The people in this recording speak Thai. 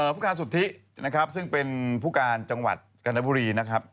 ผู้การสุทธินะครับซึ่งเป็นผู้การจังหวัดกาญบุรีนะครับ